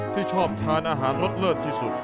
ที่ชอบทานอาหารรสเลิศที่สุด